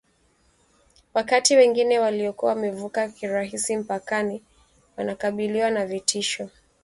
Wakati wengine waliokuwa wamevuka kirahisi mpakani wanakabiliwa na vitisho